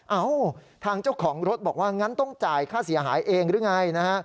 เอ้าทางเจ้าของรถบอกว่างั้นต้องจ่ายค่าเสียหายเองหรือไงนะฮะ